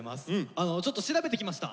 ちょっと調べてきました。